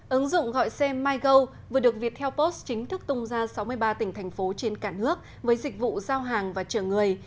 ứng dụng gọi xe mygo vừa được viettel post chính thức tung ra sáu mươi ba tỉnh thành phố trên cả nước với dịch vụ giao hàng và chở người